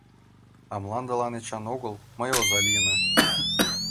А мландылан Эчан огыл, мый оза лийына...